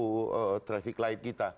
tidak ada traffic light kita